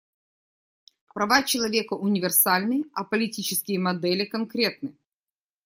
Права человека универсальны, а политические модели конкретны.